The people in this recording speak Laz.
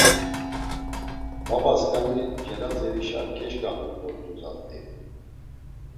Babasǩani celazenişa keşǩaxt̆u dort̆u zat̆i?